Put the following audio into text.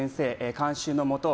監修のもと